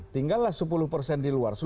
tinggallah sepuluh persen di luar